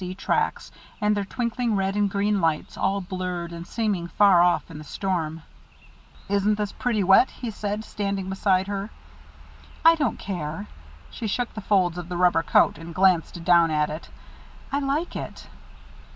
C. tracks, with their twinkling red and green lights, all blurred and seeming far off in the storm. "Isn't this pretty wet?" he said, standing beside her. "I don't care." She shook the folds of the rubber coat, and glanced down at it. "I like it."